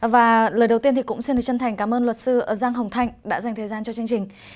và lời đầu tiên thì cũng xin được chân thành cảm ơn luật sư giang hồng thanh đã dành thời gian cho chương trình